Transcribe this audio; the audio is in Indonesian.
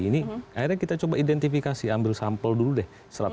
ini akhirnya kita coba identifikasi ambil sampel dulu deh satu ratus empat puluh empat